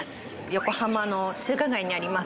横浜の中華街にあります